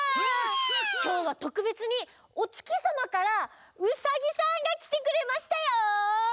きょうはとくべつにおつきさまからウサギさんがきてくれましたよ！